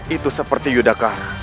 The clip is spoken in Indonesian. itu seperti yudhaka